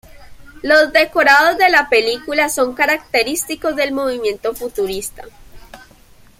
Los decorados de la película son característicos del movimiento Futurista.